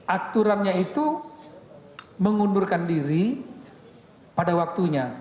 aturannya itu mengundurkan diri pada waktunya